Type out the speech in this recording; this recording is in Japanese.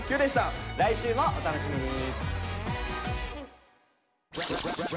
来週もお楽しみに。